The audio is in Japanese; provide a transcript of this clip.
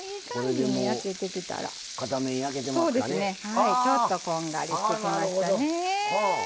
はいちょっとこんがりしてきましたね。